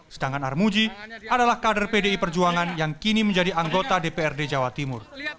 sedangkan armuji adalah kader pdi perjuangan yang kini menjadi anggota dprd jawa timur